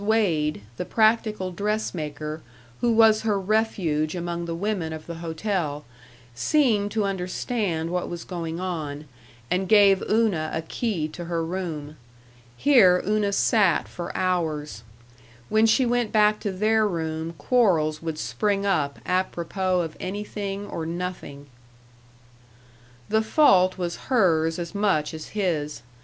Wade, the practical dressmaker, who was her refuge among the women of the hotel, seemed to understand what was going on, and gave Una a key to her room. Here Una sat for hours. When she went back to their room quarrels would spring up apropos of anything or nothing. The fault was hers as much as his.